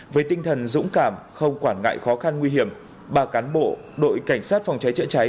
với tinh thần dũng cảm không quản ngại khó khăn nguy hiểm ba cán bộ đội cảnh sát phòng cháy chữa cháy